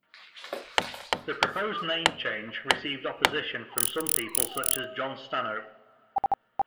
The proposed name change received opposition from some people such as Jon Stanhope.